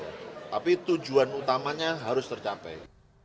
tapi tujuan utamanya harus tercapai